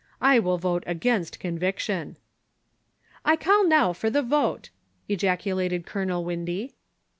I will vote against conviction." *• 1 now call for the vote,'' ejaculated Colonel Windy.